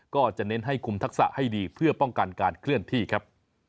ก็จะเน้นให้คุมทักษะให้ดีเพื่อป้องกันการเคลื่อนที่ครับ